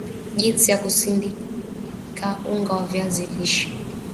Jinsi ya kusindika unga wa viazi lishe